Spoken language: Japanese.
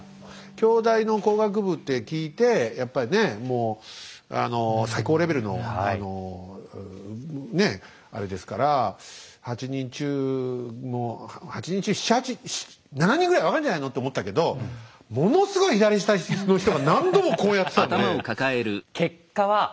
京大の工学部って聞いてやっぱりねもう最高レベルのねあれですから８人中もう８人中７人ぐらい分かんじゃないのって思ったけどものすごい左下の人が何度もこうやってたんで。